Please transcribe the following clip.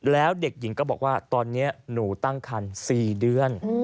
แล้วเด็กหญิงก็บอกว่าตอนนี้หนูตั้งคัน๔เดือน